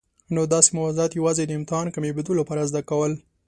نو داسي موضوعات یوازي د امتحان کامیابېدو لپاره زده کول.